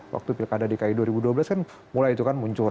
waktu pilkada dki dua ribu dua belas kan mulai itu kan muncul